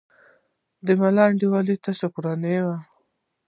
د ملا انډیوالي تر شکرانې وي